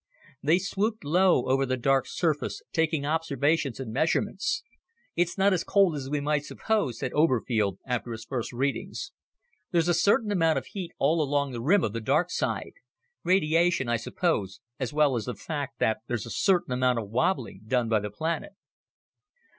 They swooped low over the dark surface, taking observations and measurements. "It's not as cold as we might suppose," said Oberfield after his first readings. "There's a certain amount of heat all along the rim of the dark side. Radiation, I suppose, as well as the fact that there's a certain amount of wobbling done by the planet."